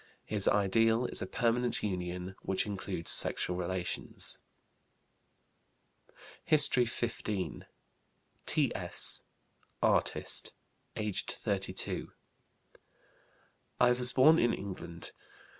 His ideal is a permanent union which includes sexual relations. HISTORY XV. T.S., artist, aged 32. "I was born in England.